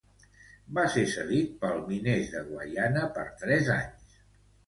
Va ser cedit pel Mineros de Guayana per tres anys.